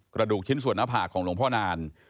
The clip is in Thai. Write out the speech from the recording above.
กระดูกชิ้นสวนภาคของหลวงพ่อนาน